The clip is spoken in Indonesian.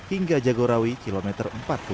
hingga jagorawi kilometer empat puluh lima